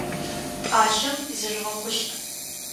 Пӏалъэм зежъугъэхъулӏ!